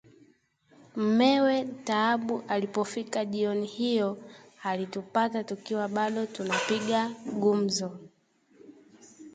Mmewe Taabu alipofika jioni hiyo, alitupata tukiwa bado tunapiga gumzo